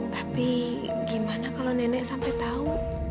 tapi gimana kalau nenek sampai tahu